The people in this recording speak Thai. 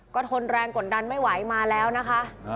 ก็ทนแรงกดดันไม่ไหวมาแล้วนะคะ